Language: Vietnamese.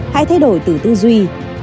hãy thay đổi từ tư duy